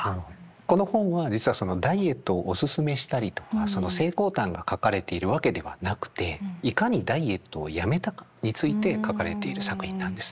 この本は実はダイエットをお勧めしたりとか成功譚が書かれているわけではなくていかにダイエットをやめたかについて書かれている作品なんですね。